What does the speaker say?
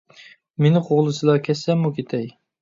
مېنى قوغلىسىلا، كەتسەممۇ كېتەي.